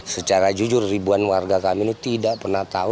secara jujur ribuan warga kami ini tidak pernah tahu